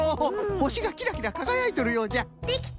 ほしがキラキラかがやいとるようじゃ。